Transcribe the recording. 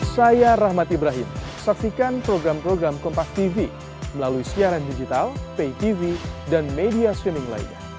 saya rahmat ibrahim saksikan program program kompak tv melalui siaran digital pay tv dan media switning lainnya